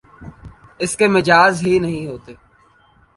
اس کے مجاز ہی نہیں ہوتے